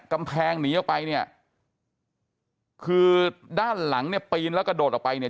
กำแพงหนีออกไปเนี่ยคือด้านหลังเนี่ยปีนแล้วกระโดดออกไปเนี่ย